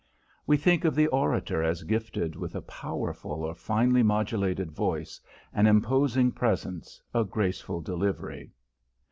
We think of the orator as gifted with a powerful or finely modulated voice, an imposing presence, a graceful delivery.